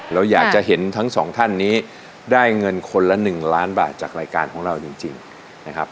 เราอยากจะเห็นทั้งสองท่านนี้ได้เงินคนละ๑ล้านบาทจากรายการของเราจริงนะครับ